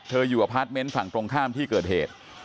อยู่อพาร์ทเมนต์ฝั่งตรงข้ามที่เกิดเหตุ